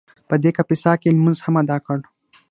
په دې کلیسا کې یې لمونځ هم ادا کړ.